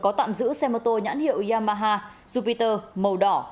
có tạm giữ xe mô tô nhãn hiệu yamaha supiter màu đỏ